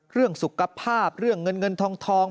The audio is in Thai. เรื่องสุขภาพเรื่องเงินเงินทอง